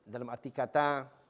dalam arti kata